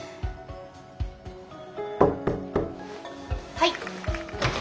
・はい。